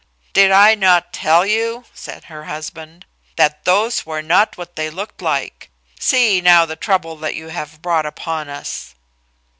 "Did I not tell you," said her husband, "that those were not what they looked like. See now the trouble that you have brought upon us!"